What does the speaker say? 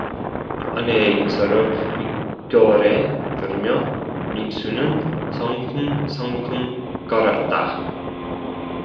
아내의 인사를 귓결에 들으며 민수는 성큼성큼 걸었다.